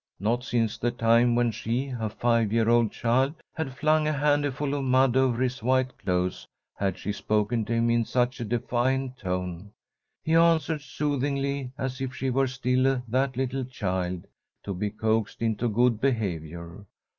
Not since the time when she, a five year old child, had flung a handful of mud over his white clothes had she spoken to him in such a defiant tone. He answered soothingly, as if she were still that little child, to be coaxed into good behaviour.